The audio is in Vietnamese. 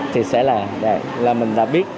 thì sẽ là mình đã biết